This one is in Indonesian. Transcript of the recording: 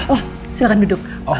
oh silahkan duduk